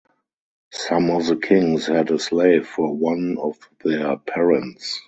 Some of the kings had a slave for one of their parents.